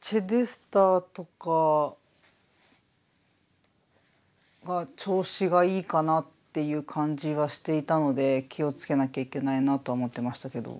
チデスターとかが調子がいいかなっていう感じがしていたので気を付けなきゃいけないなとは思ってましたけど。